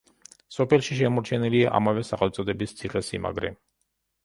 სოფელში შემორჩენილია ამავე სახელწოდების ციხესიმაგრე.